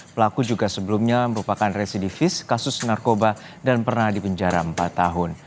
pelaku juga sebelumnya merupakan residivis kasus narkoba dan pernah dipenjara empat tahun